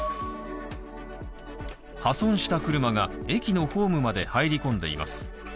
破損した車が駅のホームまで入り込んでいます